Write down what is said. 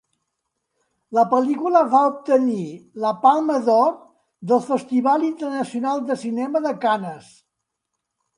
La pel·lícula va obtenir la Palma d'Or del Festival Internacional de Cinema de Canes.